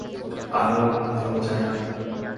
আর হতেও চাই না।